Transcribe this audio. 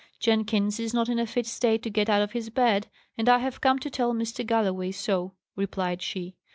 "Jenkins is not in a fit state to get out of his bed, and I have come to tell Mr. Galloway so," replied she.